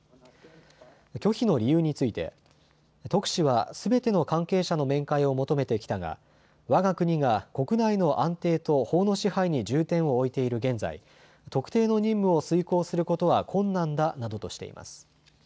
拒否の理由について特使はすべての関係者の面会を求めてきたがわが国が国内の安定と法の支配に重点を置いている現在、特定の任務を遂行することは困難だなどとしています。